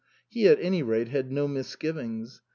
He at any rate had no misgivings.